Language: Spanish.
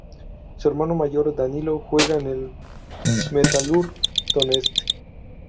Su hermano mayor Danilo juega en el Metalurg Donetsk.